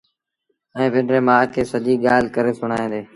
ائيٚݩ پنڊريٚ مآ کي سڄيٚ ڳآل ڪري سُڻآيآݩدي